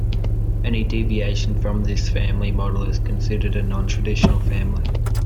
Any deviation from this family model is considered a "nontraditional family".